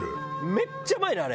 めっちゃうまいねあれ。